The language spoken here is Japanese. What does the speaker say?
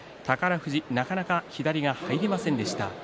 富士なかなか左が入りませんでした。